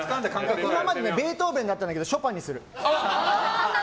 今までベートーベンだったんだけどショパンにする！